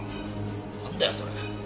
なんだよそれ。